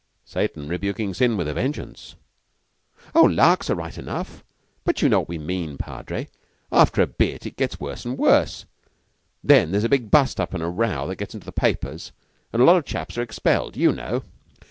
"Satan rebuking sin with a vengeance." "Oh, larks are right enough; but you know what we mean, Padre. After a bit it gets worse an' worse. Then there's a big bust up and a row that gets into the papers, and a lot of chaps are expelled, you know."